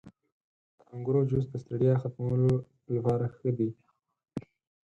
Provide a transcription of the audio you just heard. • د انګورو جوس د ستړیا ختمولو لپاره ښه دی.